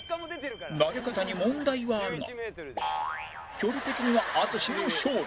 投げ方に問題はあるが距離的には淳の勝利